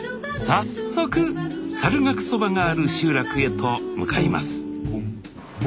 早速猿楽そばがある集落へと向かいます